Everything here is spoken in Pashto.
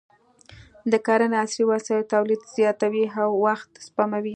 د کرنې عصري وسایل تولید زیاتوي او وخت سپموي.